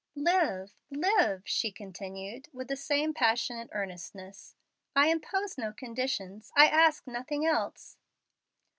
"Live! live!" she continued, with the same passionate earnestness. "I impose no conditions, I ask nothing else.